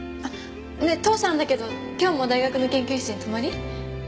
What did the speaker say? ねえ父さんだけど今日も大学の研究室に泊まり？